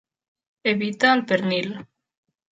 Evita el pernil.